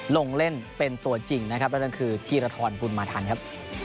ลงเล่นเป็นตัวจริงนะครับนั่นคือธีรทรบุญมาทันครับ